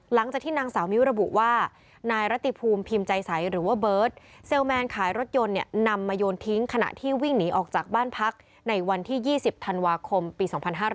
นางสาวมิ้วระบุว่านายรติภูมิพิมพ์ใจใสหรือว่าเบิร์ตเซลแมนขายรถยนต์เนี่ยนำมาโยนทิ้งขณะที่วิ่งหนีออกจากบ้านพักในวันที่๒๐ธันวาคมปี๒๕๕๙